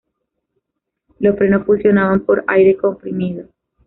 Los frenos funcionaban por aire comprimido.